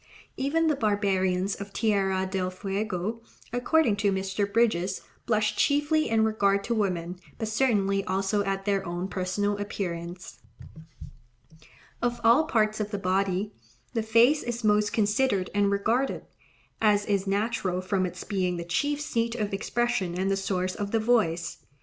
Even the barbarians of Tierra del Fuego, according to Mr. Bridges, blush "chiefly in regard to women, but certainly also at their own personal appearance." Of all parts of the body, the face is most considered and regarded, as is natural from its being the chief seat of expression and the source of the voice.